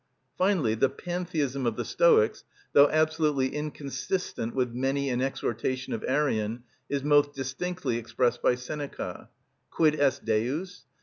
Finally, the pantheism of the Stoics, though absolutely inconsistent with many an exhortation of Arrian, is most distinctly expressed by Seneca: "_Quid est Deus?